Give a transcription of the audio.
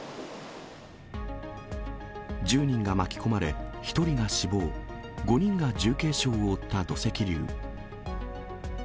１０人が巻き込まれ、１人が死亡、５人が重軽傷を負った土石流。